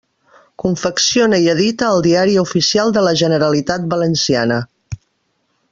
Confecciona i edita el Diari Oficial de la Generalitat Valenciana.